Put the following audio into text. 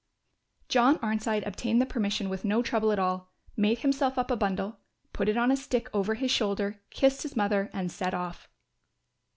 John Arnside obtained the permission with no trouble at all, made himself up a bundle, put it on a stick over his shoulder, kissed his mother and set off.